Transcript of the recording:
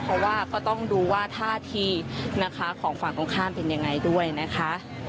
เพราะว่าก็ต้องดูว่าท่าทีนะคะของฝั่งตรงข้ามเป็นยังไงด้วยนะคะ